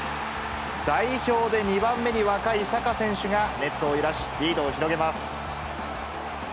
代表で２番目に若いサカ選手が、ネットを揺らし、リードを広げます。